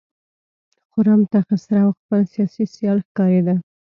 خرم ته خسرو خپل سیاسي سیال ښکارېده.